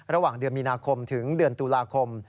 ระหว่างเดือนมีนาคมถึงเดือนตุลาคม